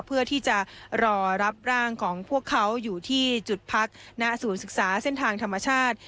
เพื่อที่จะรอรับร่างของพวกเขาอยู่ที่จุดพักณศูนย์ศึกษาเส้นทางธรรมชาติ